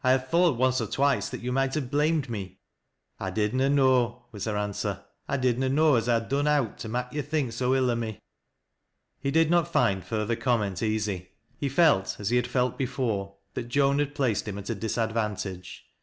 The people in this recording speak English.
1 havf thought once or twice that you might have blamed me." " I did na know," was her answer. " I did na know as I had done owt to mak' yo' think so ill of me." He did not find further comment easy. He felt, as he had felt before, that Joan had placed him at a disad vantage.